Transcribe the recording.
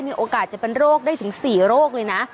มีโอกาสจะเป็นโรคได้ถึง๔โรคเลยนะ